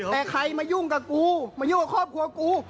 แต่ใครมายุ่งกับกูมายุ่งกับครอบครัวกู